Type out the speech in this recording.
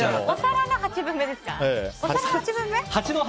お皿の８分目ですか？